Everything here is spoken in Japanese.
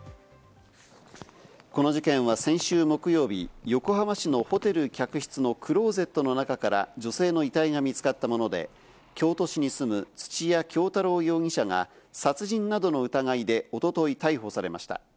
この事件は先週木曜日、横浜市のホテル客室のクロゼットの中から女性の遺体が見つかったもので、京都市に住む土屋京多郎容疑者が殺人などの疑いでおととい逮捕されました。